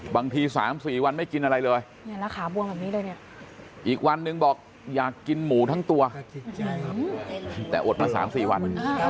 บางทีสามสี่วันไม่กินอะไรเลยอีกวันนึงบอกอยากกินหมูทั้งตัวแต่อดมาสามสี่วัน